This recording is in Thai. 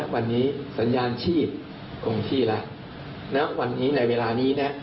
วันนี้สัญญาณชีพคงชีพแล้วณวันนี้ในเวลานี้นะ